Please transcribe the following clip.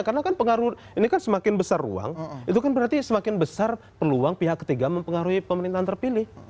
karena kan pengaruh ini kan semakin besar ruang itu kan berarti semakin besar peluang pihak ketiga mempengaruhi pemerintahan terpilih